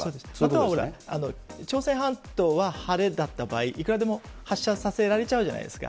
または、朝鮮半島は晴れだった場合、いくらでも発射させられちゃうじゃないですか。